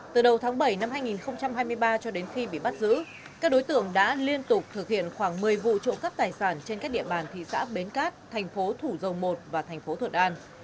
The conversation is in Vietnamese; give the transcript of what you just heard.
từ đầu tháng bảy năm hai nghìn hai mươi ba cho đến khi bị bắt giữ các đối tượng đã liên tục thực hiện khoảng một mươi vụ trộm cắp tài sản trên các địa bàn thị xã bến cát thành phố thủ dầu một và thành phố thuận an